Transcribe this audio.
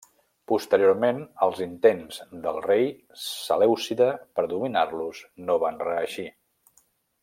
Posteriorment els intents del rei selèucida per dominar-los no van reeixir.